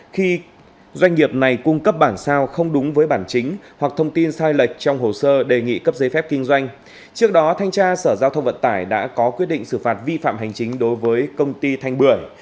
khi doanh nghiệp này cung cấp bản sao không đúng với bản chính hoặc thông tin sai lệch trong hồ sơ đề nghị cấp giấy phép kinh doanh trước đó thanh tra sở giao thông vận tải đã có quyết định xử phạt vi phạm hành chính đối với công ty thanh bưởi